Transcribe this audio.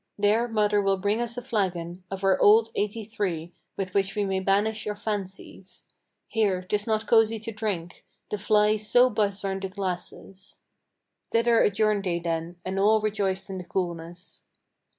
There mother will bring us a flagon Of our old eighty three, with which we may banish our fancies. Here 'tis not cosey to drink: the flies so buzz round the glasses." Thither adjourned they then, and all rejoiced in the coolness.